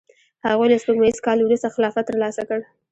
هغوی له سپوږمیز کال وروسته خلافت ترلاسه کړ.